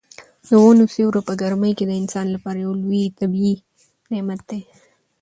د ونو سیوری په ګرمۍ کې د انسان لپاره یو لوی طبیعي نعمت دی.